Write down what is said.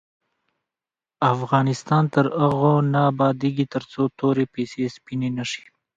افغانستان تر هغو نه ابادیږي، ترڅو توري پیسې سپینې نشي.